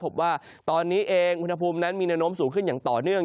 พบว่าตอนนี้เองอุณหภูมินั้นมีแนวโน้มสูงขึ้นอย่างต่อเนื่อง